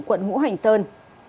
quận ngũ hành sơn